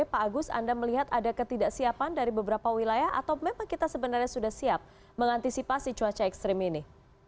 pak agus anda melihat ada ketidaksiapan dari beberapa wilayah atau memang kita sebenarnya sudah siap mengantisipasi cuaca ekstrim ini